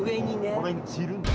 この辺に散るんだ。